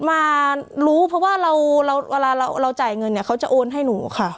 มารู้เพราะว่าเราเวลาเราจ่ายเงินเนี่ยเขาจะโอนให้หนูค่ะ